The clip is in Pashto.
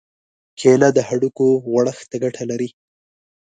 کېله د هډوکو غوړښت ته ګټه لري.